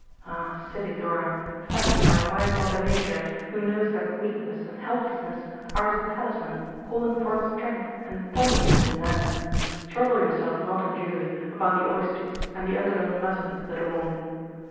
Ah, silly Dora, fashioned by wise Mother Nature who knows that weakness and helplessness are as a talisman calling forth strength and tenderness in man, trouble yourself not unduly about the oysters and the underdone mutton, little woman.